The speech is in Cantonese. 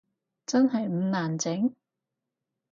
真係唔難整？